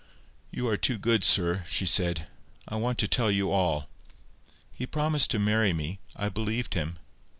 "You are too good, sir," she said. "I want to tell you all. He promised to marry me, I believed him.